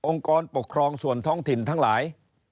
กรปกครองส่วนท้องถิ่นทั้งหลาย